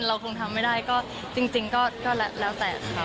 เราคงทำไม่ได้ก็จริงก็แล้วแต่ค่ะ